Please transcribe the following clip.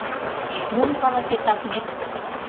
Мом каласет, Ахмет?